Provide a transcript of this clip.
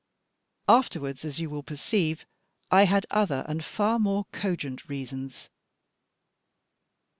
Afterwards, as you will perceive, I had other and far more cogent reasons.